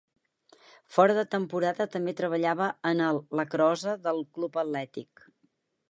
Fora de temporada també treballava en el lacrosse del club atlètic.